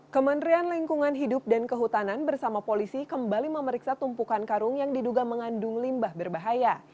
kementerian lingkungan hidup dan kehutanan bersama polisi kembali memeriksa tumpukan karung yang diduga mengandung limbah berbahaya